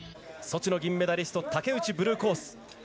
ソチの銀メダリスト竹内、ブルーコース